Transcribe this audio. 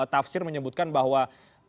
tafsir menyebutkan bahwa